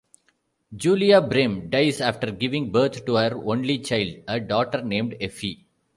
Julia Bream dies after giving birth to her only child, a daughter named Effie.